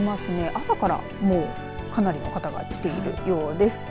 朝からもうかなりの方が来ているようです。